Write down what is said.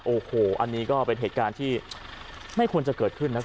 โอ้โหอันนี้ก็เป็นเหตุการณ์ที่ไม่ควรจะเกิดขึ้นนะครับ